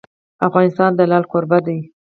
افغانستان د لعل کوربه دی.